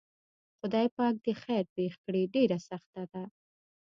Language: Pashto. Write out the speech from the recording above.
خدای پاک دې خیر پېښ کړي ډېره سخته ده.